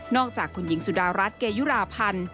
จากคุณหญิงสุดารัฐเกยุราพันธ์